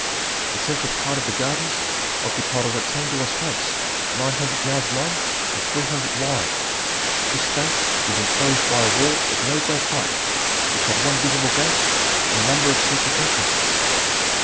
The central part of the gardens occupied a rectangular space nine hundred yards long and three hundred wide. This space was enclosed by a wall of no great height which had one visible gate and a number of secret entrances.